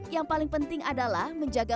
yang paling penting adalah menjaga